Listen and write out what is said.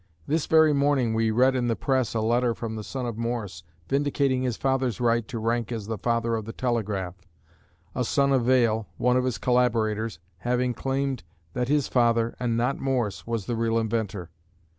This very morning we read in the press a letter from the son of Morse, vindicating his father's right to rank as the father of the telegraph, a son of Vail, one of his collaborators, having claimed that his father, and not Morse, was the real inventor.